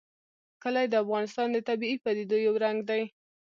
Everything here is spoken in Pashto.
کلي د افغانستان د طبیعي پدیدو یو رنګ دی.